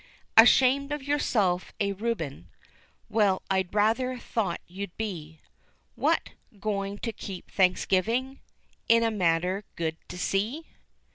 Ashamed of yourself, eh, Reuben? Well, I rather thought you'd be What! going to keep Thanksgiving In a manner good to see?